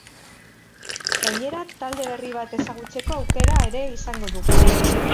Gainera, talde berri bat ezagutzeko aukera ere izango dugu.